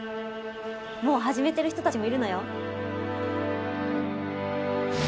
もう始めてる人たちもいるのよ。